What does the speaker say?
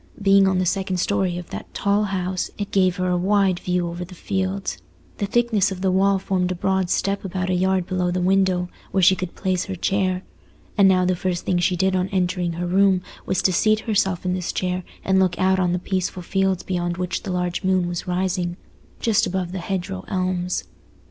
Being on the second story of that tall house, it gave her a wide view over the fields. The thickness of the wall formed a broad step about a yard below the window, where she could place her chair. And now the first thing she did on entering her room was to seat herself in this chair and look out on the peaceful fields beyond which the large moon was rising, just above the hedgerow elms.